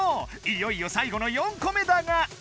いよいよ最後の４個目だが。